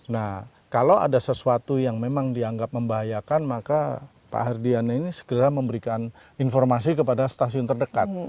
nah kalau ada sesuatu yang memang dianggap membahayakan maka pak hardiana ini segera memberikan informasi kepada stasiun terdekat